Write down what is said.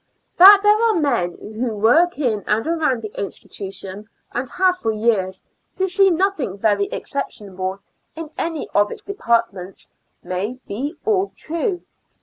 That there are men who work in and around the institution, and have for years, who see nothing very exceptionable in any of its de partments, may be all true.